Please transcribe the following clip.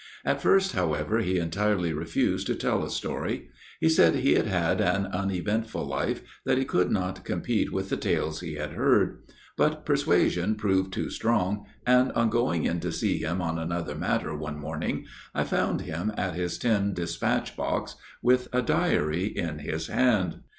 At first, however, he entirely refused to tell a story. He said he had had an uneventful life, that he could not compete with the tales he had heard. But persuasion proved too strong, and on going in to see him on another matter one morning I found him at his tin dispatch box with a diary in his hand.